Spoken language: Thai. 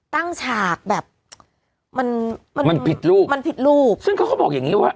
ฉากแบบมันมันผิดรูปมันผิดรูปซึ่งเขาก็บอกอย่างงี้ว่า